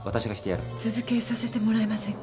続けさせてもらえませんか？